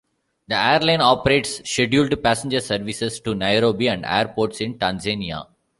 The airline operates scheduled passenger services to Nairobi and airports in Tanzania.